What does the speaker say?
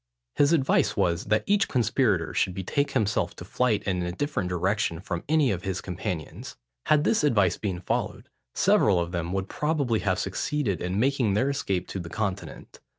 His advice was, that each conspirator should betake himself to flight in a different direction from any of his companions. Had this advice been followed, several of them would probably have succeeded in making their escape to the Continent.